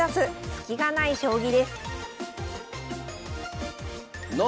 スキがない将棋」です